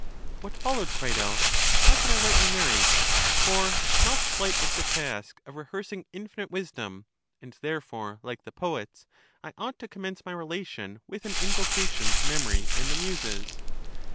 What followed, Crito, how can I rightly narrate? for not slight is the task of rehearsing infinite wisdom, and therefore, like the poets, I ought to commence my relation with an invocation to Memory and the Muses.